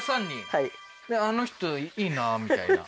はいあの人いいなあみたいな？